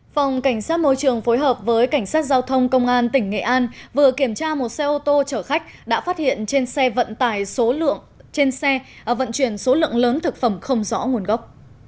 phòng cảnh sát môi trường phối hợp với cảnh sát giao thông công an tỉnh nghệ an vừa kiểm tra một xe ô tô chở khách đã phát hiện trên xe vận chuyển số lượng lớn thực phẩm không rõ nguồn gốc